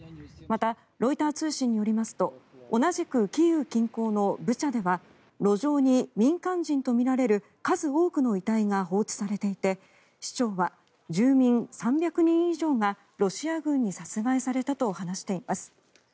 また、ロイター通信によりますと同じくキーウ近郊のブチャでは路上に民間人とみられる数多くの遺体が放置されていて市長は、住民３００人以上がロシア軍に殺害されたと話しています。